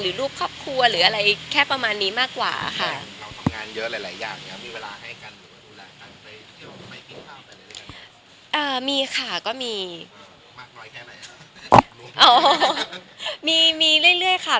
คุณแม่จะทราบอยู่แล้วถ้าเวลาเจอกันหรืออะไรอย่างเงี้ยครับ